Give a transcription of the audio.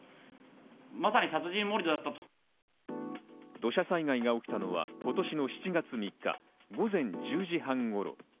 土砂災害が起きたのは今年の７月３日、午前１０時半頃。